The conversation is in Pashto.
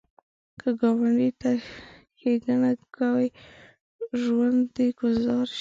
که ګاونډي ته ښیګڼه کوې، ژوند دې ګلزار شي